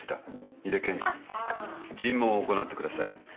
井出検事尋問を行ってください。